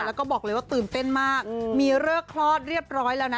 แล้วก็บอกเลยว่าตื่นเต้นมากมีเลิกคลอดเรียบร้อยแล้วนะ